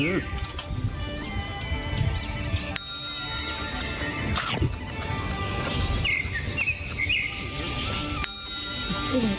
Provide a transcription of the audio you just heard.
เออพี่น้องพ่อให้เข้ามาป่ะ